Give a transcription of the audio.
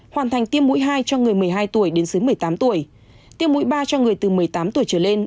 hoàn thành tiêm mũi hai cho người một mươi hai tuổi đến dưới một mươi tám tuổi tiêm mũi ba cho người từ một mươi tám tuổi trở lên